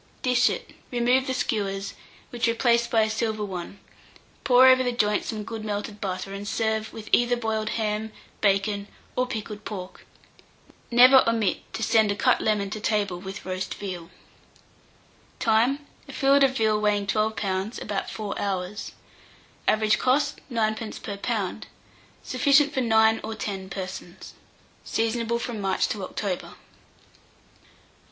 Dish it, remove the skewers, which replace by a silver one; pour over the joint some good melted butter, and serve with either boiled ham, bacon, or pickled pork. Never omit to send a cut lemon to table with roast veal. [Illustration: FILLET OF VEAL.] Time. A fillet of veal weighing 12 lbs., about 4 hours. Average cost, 9d. per lb. Sufficient for 9 or 10 persons. Seasonable from March to October.